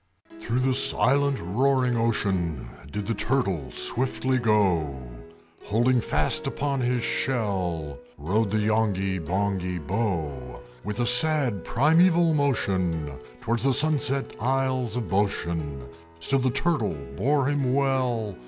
Through the silent roaring ocean Did the Turtle swiftly go; Holding fast upon his shell Rode the Yonghy Bonghy Bò. With a sad primaeval motion Towards the sunset isles of Boshen Still the Turtle bore him well.